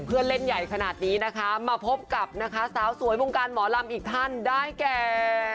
เพื่อนเล่นใหญ่ขนาดนี้นะคะมาพบกับนะคะสาวสวยวงการหมอลำอีกท่านได้แก่